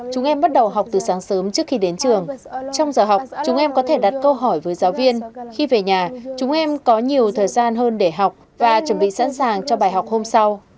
chúng em bắt đầu học từ sáng sớm trước khi đến trường trong giờ học chúng em có thể đặt câu hỏi với giáo viên khi về nhà chúng em có nhiều thời gian hơn để học và chuẩn bị sẵn sàng cho bài học hôm sau